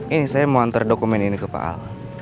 ini saya mau antar dokumen ini ke pak al